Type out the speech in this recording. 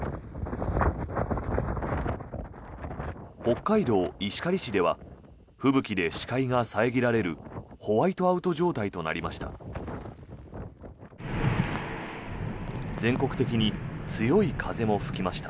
北海道石狩市では吹雪で視界が遮られるホワイトアウト状態となりました。